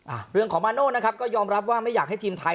อ่าเรื่องของมาโน่นะครับก็ยอมรับว่าไม่อยากให้ทีมไทย